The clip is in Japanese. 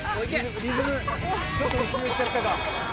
リズムちょっと後ろいっちゃったか。